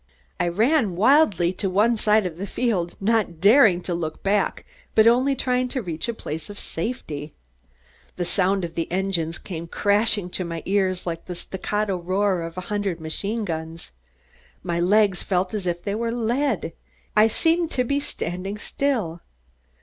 I ran wildly to one side of the field, not daring to look back but only trying to reach a place of safety. The sound of the engines came crashing to my ears like the staccato roar of a hundred machine guns. My legs felt as if they were lead. I seemed to be standing still.